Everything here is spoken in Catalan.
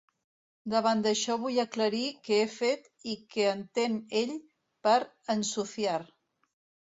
Davant d’això vull aclarir que he fet i que entén ell per “ensuciar”.